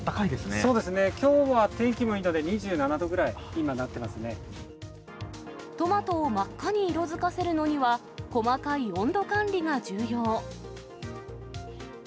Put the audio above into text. そうですね、きょうは天気もいいので、２７度ぐらい、今、トマトを真っ赤に色づかせるのには、細かい温度管理が重要。